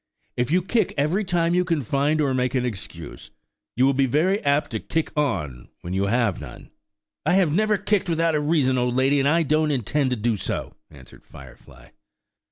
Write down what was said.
"If you kick every time you can find or make an excuse, you will be very apt to kick on when you have none." "I have never yet kicked without a reason, old lady, and I don't intend to do so," answered Firefly.